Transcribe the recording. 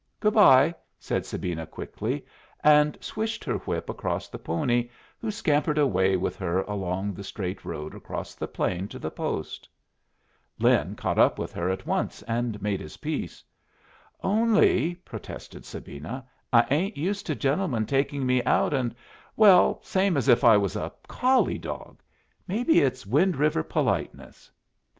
Good bye," said Sabina, quickly, and swished her whip across the pony, who scampered away with her along the straight road across the plain to the post. Lin caught up with her at once and made his peace. "Only," protested Sabina, "I ain't used to gentlemen taking me out and well, same as if I was a collie dog. Maybe it's Wind River politeness."